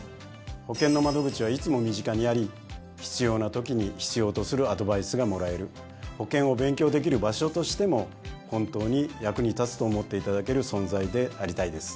ほけんの窓口はいつも身近にあり必要なときに必要とするアドバイスがもらえる保険を勉強できる場所としても本当に役に立つと思っていただける存在でありたいです。